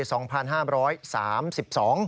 ใช่